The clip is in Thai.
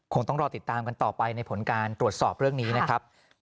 คงต้องรอติดตามกันต่อไปในผลการตรวจสอบเรื่องนี้นะครับ